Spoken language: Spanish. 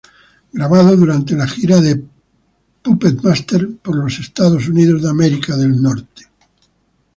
Grabado durante la gira The Puppet Master por los Estados Unidos.